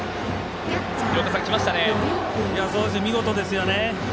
見事ですよね。